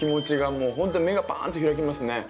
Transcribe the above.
もうほんとに目がバーンと開きますね。